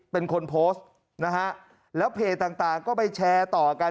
เป็นคนโพสต์แล้วเพจต่างก็ไปแชร์ต่อกัน